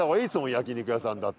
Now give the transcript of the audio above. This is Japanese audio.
焼肉屋さんだって。